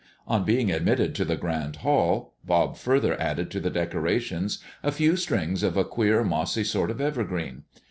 On being admitted to the grand hall, Bob further added to the decorations a few strings of a queer, mossy sort of evergreen.